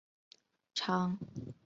长教简氏大宗祠的历史年代为清。